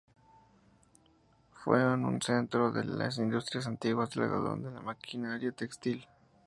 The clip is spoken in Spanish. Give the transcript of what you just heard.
Fue un centro de las industrias antiguas del algodón y de la maquinaria textil.